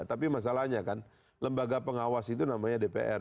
tapi masalahnya kan lembaga pengawas itu namanya dpr